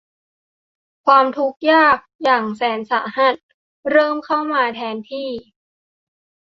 ความทุกข์ยากอย่างแสนสาหัสเริ่มเข้ามาแทนที่